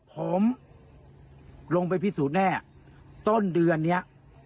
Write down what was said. ผมลงไปพิสูจน์แน่ต้นเดือนนี้